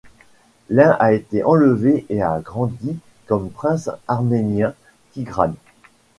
L'un a été enlevé et a grandi comme prince arménien, Tigrane.